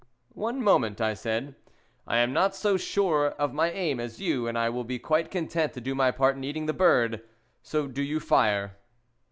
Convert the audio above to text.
"One moment," I said. "I am not so sure of my aim as you, and I will be quite content to do my part in eating the bird. So do you fire."